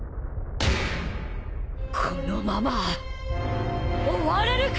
このまま終われるか！